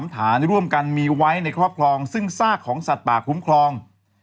ฐานร่วมกันมีไว้ในครอบครองซึ่งซากของสัตว์ป่าคุ้มครอง